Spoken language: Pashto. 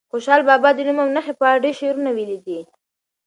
خوشحال بابا د نوم او نښې په اړه ډېر شعرونه ویلي دي.